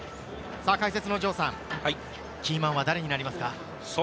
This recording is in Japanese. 解説の城さん、キーマンは誰になりますか？